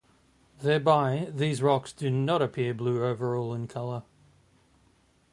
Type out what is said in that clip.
Thereby, these rocks do not appear blue overall in color.